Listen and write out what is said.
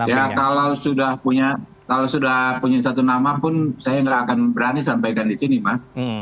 ya kalau sudah punya satu nama pun saya nggak akan berani sampaikan di sini mas